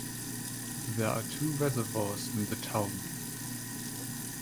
There are two reservoirs in the town.